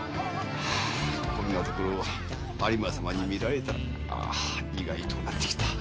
はぁこんなところを有馬様に見られたらあぁ胃が痛うなってきた。